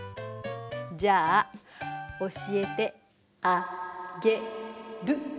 じゃあ教えてあ・げ・る。